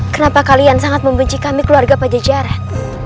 kenapa kalian sangat membenci kami keluarga pada jajaran